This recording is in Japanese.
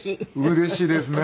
うれしいですね。